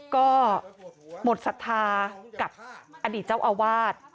ก็หมดศรัทธากับอดีตเจ้าอาวาส